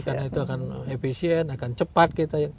karena itu akan efisien akan cepat